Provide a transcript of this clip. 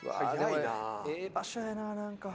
ええ場所やな何か。